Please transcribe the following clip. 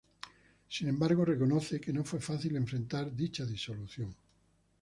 Sin embargo, reconoce que no fue fácil enfrentar dicha disolución.